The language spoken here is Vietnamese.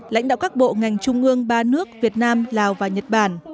lãnh đạo các bộ ngành trung ương ba nước việt nam lào và nhật bản